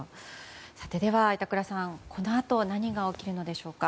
では板倉さん、このあと何が起きるのでしょうか。